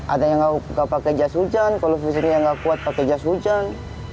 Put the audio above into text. ada yang nggak pakai jas hujan kalau fisiknya nggak kuat pakai jas hujan